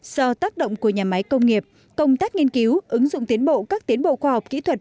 do tác động của nhà máy công nghiệp công tác nghiên cứu ứng dụng tiến bộ các tiến bộ khoa học kỹ thuật